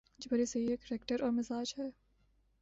جو برصغیر کا کریکٹر اور مزاج ہے۔